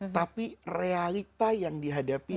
tapi realita yang dihadapi